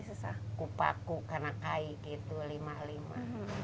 saya harus bekerja karena saya harus bekerja